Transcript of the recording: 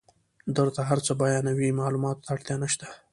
درته هر څه بیانوي معلوماتو ته اړتیا نشته.